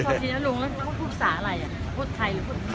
สอบทีนะลุงเขาพูดศาอะไรอ่ะพูดไทยหรือพูดศา